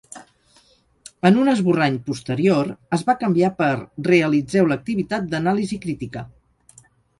En un esborrany posterior, es va canviar per "realitzeu l'activitat d'anàlisi crítica".